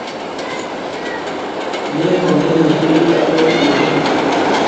Mengomein muguleldo eng' chei bune.